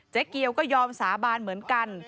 เกียวก็ยอมสาบานเหมือนกัน